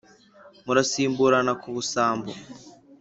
Murasimburana ku busambo